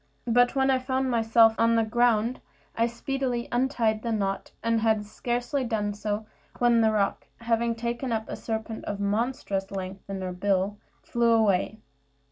But when I found myself on the ground, I speedily untied the knot, and had scarcely done so, when the roc, having taken up a serpent of monstrous length in her bill, flew away.